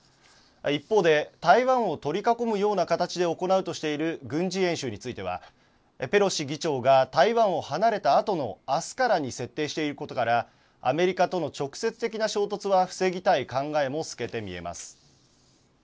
一方で、台湾を取り囲むような形で行うとしている軍事演習についてはペロシ議長が台湾を離れたあとの明日からに設定していることからアメリカとの直接的な衝突は防ぎたい考えも透けて見えます。